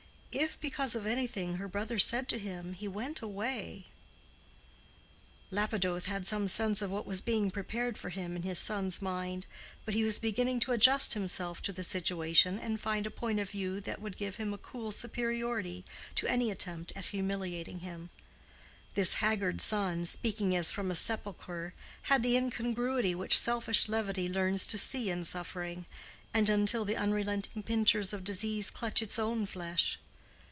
If, because of anything her brother said to him, he went away— Lapidoth had some sense of what was being prepared for him in his son's mind, but he was beginning to adjust himself to the situation and find a point of view that would give him a cool superiority to any attempt at humiliating him. This haggard son, speaking as from a sepulchre, had the incongruity which selfish levity learns to see in suffering, and until the unrelenting pincers of disease clutch its own flesh.